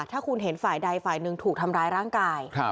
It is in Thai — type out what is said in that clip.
ถ้าคุณเห็นฝ่ายใดฝ่ายหนึ่งถูกทำร้ายร่างกาย